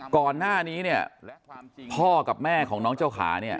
ก่อนหน้านี้เนี่ยพ่อกับแม่ของน้องเจ้าขาเนี่ย